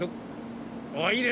あっいいね！